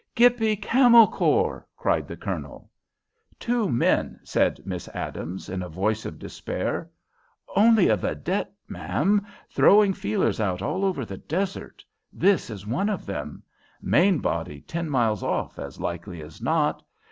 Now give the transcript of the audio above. "Gippy Camel Corps!" cried the Colonel. "Two men," said Miss Adams, in a voice of despair. "Only a vedette, ma'am! Throwing feelers out all over the desert. This is one of them. Main body ten miles off, as likely as not.